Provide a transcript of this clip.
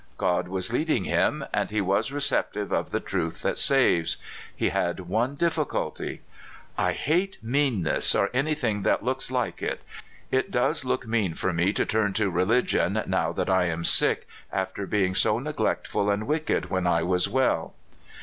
God was leading him, and he was receptive of the truth that saves. He had one difficulty. '* I hate meanness, or anything that looks like it. It does look mean for me to turn to religion now that I am sick, after being so neglectful and wicked when I was well."